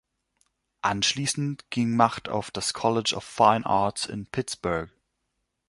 Anschließend ging Macht auf das College of Fine Arts in Pittsburgh.